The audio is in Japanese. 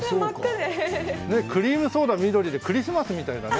クリームソーダは緑でクリスマスみたいだね。